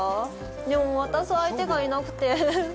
でも、渡す相手がいなくて。